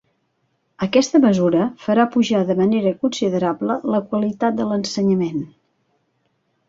Aquesta mesura farà pujar de manera considerable la qualitat de l'ensenyament.